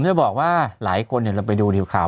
จะบอกว่าหลายคนเราไปดูดิวข่าว